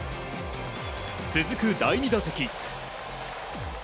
続く第２打席。